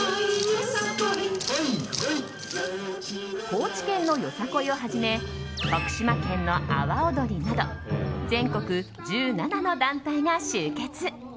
高知県のよさこいをはじめ徳島県の阿波踊りなど全国１７の団体が集結。